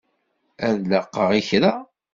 Ad laqeɣ i kra?